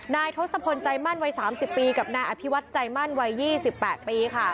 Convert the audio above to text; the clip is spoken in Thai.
นายทศพลใจมั่นวัยสามสิบปีกับนายอภิวัตรใจมั่นวัยยี่สิบแปดปีค่ะ